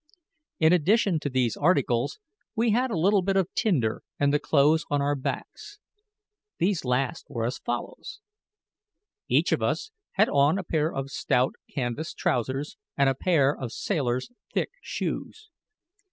In addition to these articles, we had a little bit of tinder and the clothes on our backs. These last were as follows: Each of us had on a pair of stout canvas trousers and a pair of sailors' thick shoes.